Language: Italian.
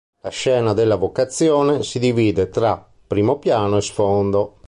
La scena della "Vocazione" si divide tra primo piano e sfondo.